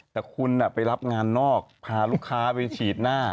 แต่คุณไปรับงานนอกพาลูกค้าไปฉีดหน้า